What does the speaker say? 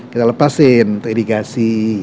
kita lepasin untuk irigasi